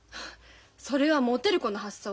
それはもてる子の発想。